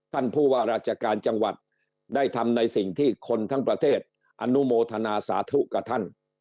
ท่านผู้ว่าราชการจังหวัดได้ทำในสิ่งที่คนทั้งประเทศอนุโมทนาสาธุกับท่าน